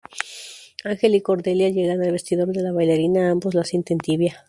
Ángel y Cordelia llegan al vestidor de la bailarina, ambos la sienten tibia.